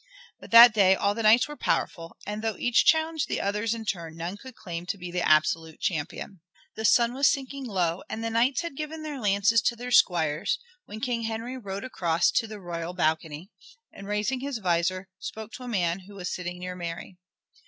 But that day all the knights were powerful, and though each challenged the others in turn none could claim to be the absolute champion. The sun was sinking low, and the knights had given their lances to their squires when King Henry rode across to the royal balcony, and raising his visor, spoke to a man who was sitting near Mary.